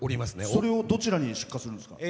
それをどちらに出荷するんですか？